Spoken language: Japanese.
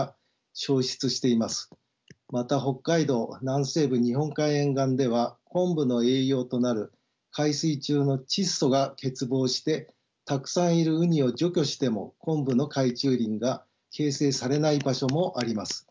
また北海道南西部日本海沿岸ではコンブの栄養となる海水中の窒素が欠乏してたくさんいるウニを除去してもコンブの海中林が形成されない場所もあります。